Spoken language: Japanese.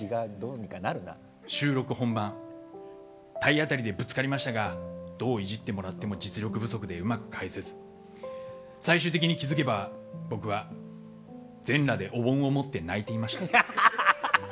収録本番体当たりでぶつかりましたがどうイジってもらっても実力不足でうまく返せず最終的に、気づけば僕は全裸でお盆を持って泣いていました。